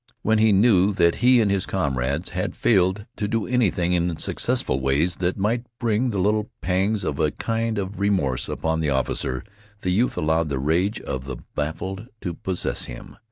When he knew that he and his comrades had failed to do anything in successful ways that might bring the little pangs of a kind of remorse upon the officer, the youth allowed the rage of the baffled to possess him.